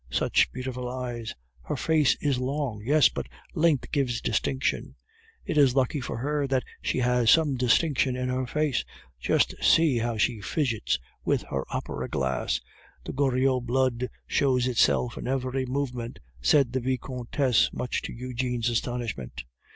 "Such beautiful eyes!" "Her face is long." "Yes, but length gives distinction." "It is lucky for her that she has some distinction in her face. Just see how she fidgets with her opera glass! The Goriot blood shows itself in every movement," said the Vicomtesse, much to Eugene's astonishment.